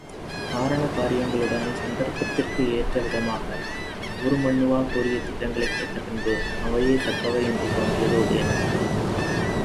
காரண காரியங்களுடனே சந்தர்ப்பத்திற்கு ஏற்ற விதமாக உருமண்ணுவா கூறிய திட்டங்களைக் கேட்டபின்பு, அவையே தக்கவை என்று தோன்றியது உதயணனுக்கு.